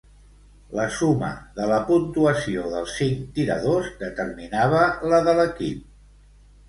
La suma de la puntuació dels cinc tiradors determinava la de l'equip.